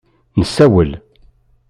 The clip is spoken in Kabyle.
Nessawel.